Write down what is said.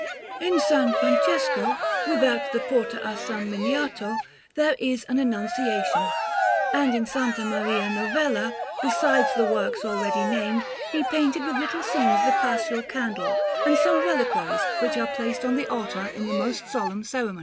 In S. Francesco, without the Porta a S. Miniato, there is an Annunciation; and in S. Maria Novella, besides the works already named, he painted with little scenes the Paschal candle and some Reliquaries which are placed on the altar in the most solemn ceremonies.